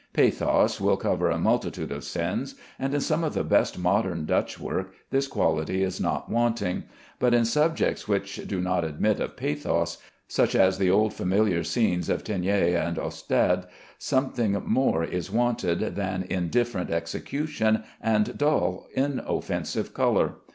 Pathos will cover a multitude of sins, and in some of the best modern Dutch work this quality is not wanting; but in subjects which do not admit of pathos, such as the old familiar scenes of Teniers and Ostade, something more is wanted than indifferent execution and dull, inoffensive color.